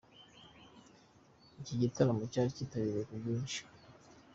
Iki gitaramo cyari kitabiriwe ku bwinshi.